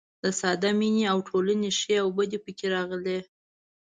د ساده مینې او ټولنې ښې او بدې پکې راغلي.